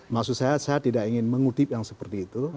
maksud saya saya tidak ingin mengutip yang seperti itu